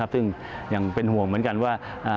ซึ่งยังเป็นห่วงเหมือนกันว่า